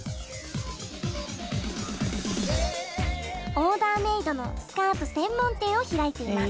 オーダーメードのスカート専門店を開いています。